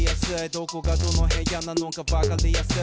「どこがどの部屋なのかわかりやすい」